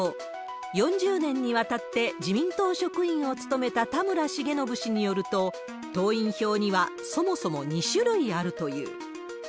４０年にわたって自民党職員を務めた田村重信氏によると、党員票にはそもそも２種類あるという。